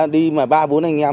đi mà ba bốn anh em